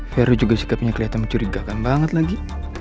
vero juga sikapnya kelihatan mencurigakan banget lagi